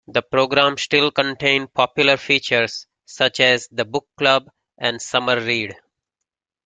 The programme still contained popular features such as the "Book Club" and "Summer Read".